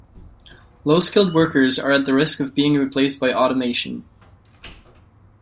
Low-skilled workers are at the risk of being replaced by automation.